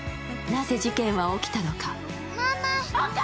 なぜ事件は起きたのか。